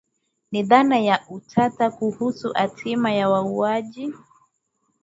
Ni dhana ya utata kuhusu hatima ya wauaji